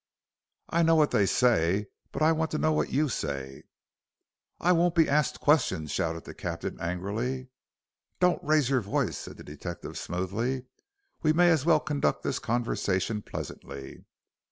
"I know what they say, but I want to know what you say?" "I won't be arsked questions," shouted the captain, angrily. "Don't raise your voice," said the detective, smoothly; "we may as well conduct this conversation pleasantly."